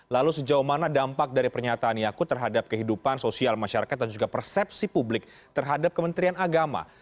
lalu sejauh mana dampak dari pernyataan yakut terhadap kehidupan sosial masyarakat dan juga persepsi publik terhadap kementerian agama